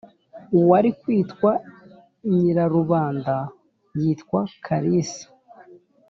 Uwari kwitwa Nyirarubanda yitwa kalisa